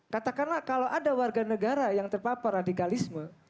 katakanlah kalau ada warga negara yang terpapar radikalisme